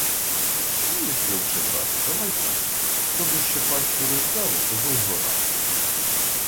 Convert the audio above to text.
«Чуєш, вовче-брате, давай так: хто дужче пащу роззяве, того й гора».